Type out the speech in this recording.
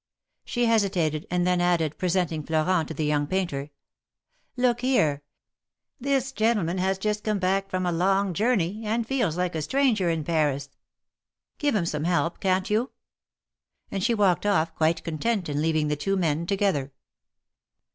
She hesitated, and then added, presenting Florent to the young painter : Look here ! This gentleman has just come back from a long journey, and feels like a stranger in Paris. Give him some help, can't you?" And she walked off quite content in leaving the two men together.